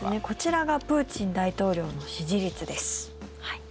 こちらがプーチン大統領の支持率です。